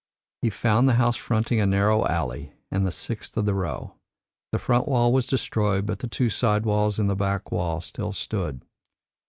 "He found the house fronting a narrow alley, and the sixth of the row. The front wall was destroyed, but the two side walls and the back wall still stood.